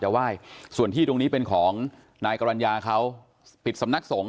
ไหว้ส่วนที่ตรงนี้เป็นของนายกรรณญาเขาปิดสำนักสงฆ